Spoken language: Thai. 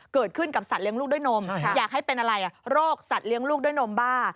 เกิดขึ้นกับสัตว์เลี้ยงลูกด้วยนมอยากให้เป็นอะไรโรคสัตว์เลี้ยงลูกด้วยนมบ้า